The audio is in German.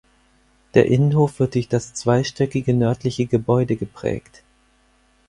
Der Innenhof wird durch das zweistöckige nördliche Gebäude geprägt.